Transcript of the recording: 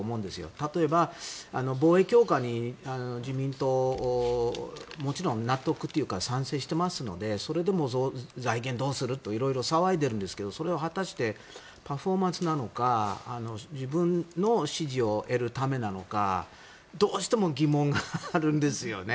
例えば防衛強化に自民党はもちろん納得というか賛成してますのでそれでも財源をどうすると色々騒いでいるんですけどそれは果たしてパフォーマンスなのか自分の支持を得るためなのかどうしても疑問があるんですよね。